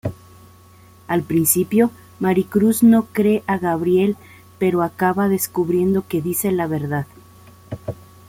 Al principio, Maricruz no cree a Gabriel pero acaba descubriendo que dice la verdad.